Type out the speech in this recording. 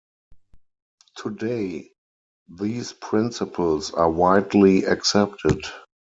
Today, these principles are widely accepted.